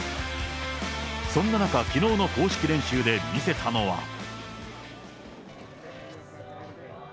そんな中、きのうの公式練習で見せたのは。